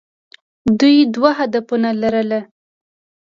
دوی دوه هدفونه لرل.